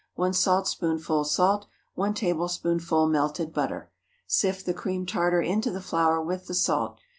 1 saltspoonful salt. 1 tablespoonful melted butter. Sift the cream tartar into the flour with the salt.